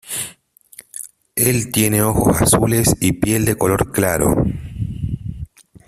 Él tiene ojos azules y piel de color claro.